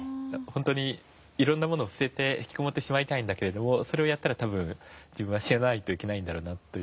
本当にいろんなものを捨てて引きこもってしまいたいけどそれをやったら多分自分は死なないといけないんだろうなと。